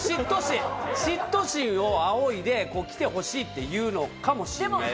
嫉妬心を仰いで、来てほしいというのかもしれない。